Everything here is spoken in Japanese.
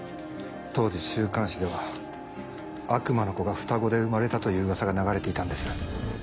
当時週刊誌では悪魔の子が双子で生まれたという噂が流れていたんです。